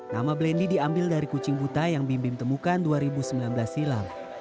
nama blendy diambil dari kucing buta yang bim bim temukan dua ribu sembilan belas silam